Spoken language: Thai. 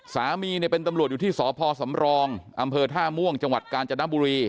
สามีเนี่ยเป็นตำรวจอยู่ที่สพสำรองอำเภอท่าม่วงจังหวัดกาญจนบุรี